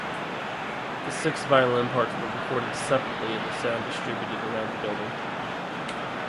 The six violin parts were recorded separately and the sound distributed around the building.